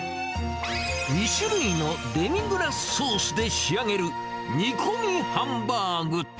２種類のデミグラスソースで仕上げる煮込みハンバーグ。